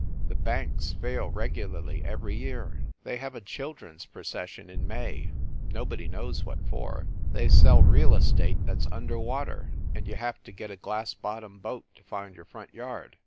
The banks fail regularly every year. They have a children s procession in May nobody knows what for. They sell real estate that s under water, and you have to get a glass bottomed boat to find your front yard.